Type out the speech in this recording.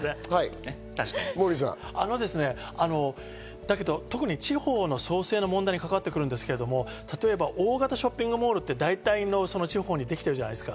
モーリーさん、確かに、地方の創生の問題に関わってくるんですけれども、大型ショッピングモールって大体の地方にできてるじゃないですか。